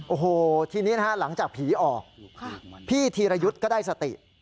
โอ้โหทีนี้นะฮะหลังจากผีออกพี่ธีรยุทธ์ก็ได้สติ